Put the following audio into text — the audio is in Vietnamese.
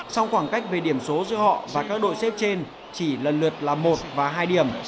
song khoảng cách về điểm số giữa họ và các đội xếp trên chỉ lần lượt là một và hai điểm